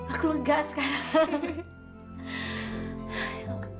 aku lega sekarang